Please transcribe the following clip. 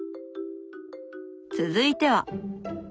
続いては。